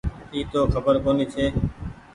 اي تو کبر ڪونيٚ ڇي ۔